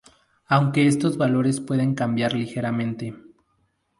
Aunque estos valores pueden cambiar ligeramente.